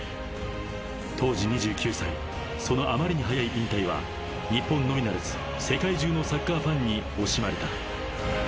［当時２９歳そのあまりに早い引退は日本のみならず世界中のサッカーファンに惜しまれた］